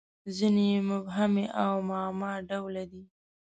• ځینې یې مبهمې او معما ډوله دي.